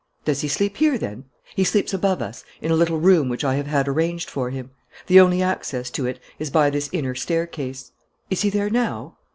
"Does he sleep here, then?" "He sleeps above us, in a little room which I have had arranged for him. The only access to it is by this inner staircase." "Is he there now?"